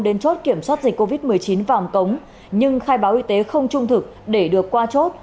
đến chốt kiểm soát dịch covid một mươi chín vàm cống nhưng khai báo y tế không trung thực để được qua chốt